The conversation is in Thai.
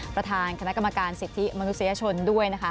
ประธานคณะกรรมการสิทธิมนุษยชนด้วยนะคะ